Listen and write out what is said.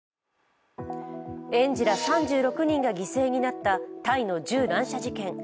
園児ら３６人が犠牲になったタイの銃乱射事件。